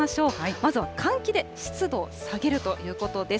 まずは換気で湿度を下げるということです。